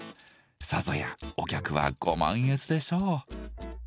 さぞやお客はご満悦でしょう。